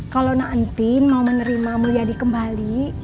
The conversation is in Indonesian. kalo na'antin mau menerima mulia di kembali